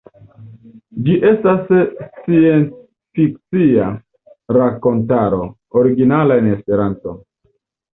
Ĝi estas sciencfikcia rakontaro, originala en esperanto.